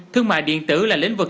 thương mại điện tử là lĩnh vực